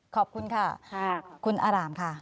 ขอบคุณค่ะคุณอารามค่ะ